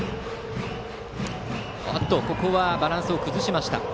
バランスを崩しました。